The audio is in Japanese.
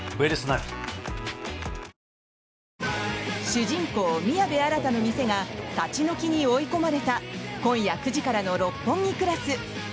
主人公・宮部新の店が立ち退きに追い込まれた今夜９時からの「六本木クラス」。